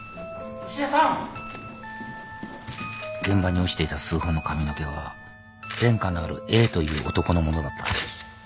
現場に落ちていた数本の髪の毛は前科のあるＡという男のものだった。